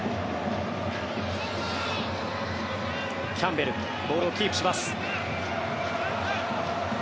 キャンベルボールをキープします。